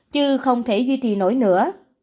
chứ không thể duy trì nổi nữa